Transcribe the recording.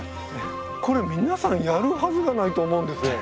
これ皆さんやるはずがないと思うんですよ。